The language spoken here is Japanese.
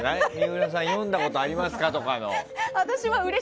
水卜さん読んだことありますか？とかの。